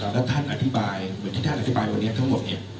แล้วท่านอธิบายเหมือนที่ท่านอธิบายวันนี้ทั้งหมดเนี่ย